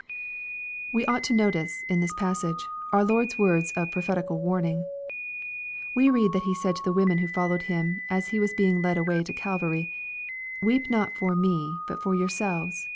We ought to notice, in this passage, our Lord's words of prophetical warning. We read that he said to the women who followed Him, as He was being led away to Calvary, " Weep not for me, but for yourselves.